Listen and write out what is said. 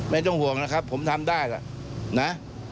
ไม่ต้องห่วงนะครับผมทำได้ล่ะนะ